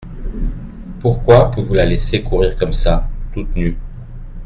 Pourquoi que vous la laissez courir comme ça, toute nue ?…